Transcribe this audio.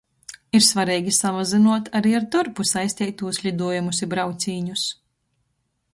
Ir svareigi samazynuot ari ar dorbu saisteitūs liduojumus i braucīņus.